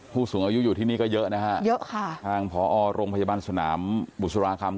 ผู้สูงอายุอยู่ที่นี่ก็เยอะนะฮะเยอะค่ะทางผอโรงพยาบาลสนามบุษราคำ